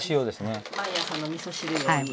毎朝のみそ汁用。